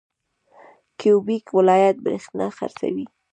کیوبیک ولایت بریښنا خرڅوي.